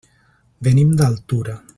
Venim d'Altura.